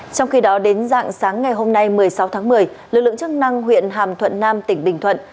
trong khi đó đến dạng sáng ngày hôm nay một mươi sáu tháng một mươi lực lượng chức năng huyện hàm thuận nam tỉnh bình thuận